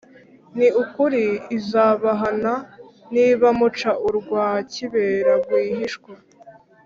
Ni ukuri izabahana, Niba muca urwa kibera rwihishwa.